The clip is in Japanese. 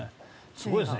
すごいですね。